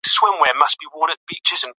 ایا دا ماشوم په ټولګي کې لومړی دی؟